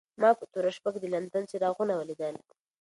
ما په توره شپه کې د لندن څراغونه ولیدل.